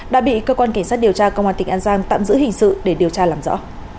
đã bị cơ quan cảnh sát điều tra công an tỉnh an giang tạm giữ hình sự để điều tra làm rõ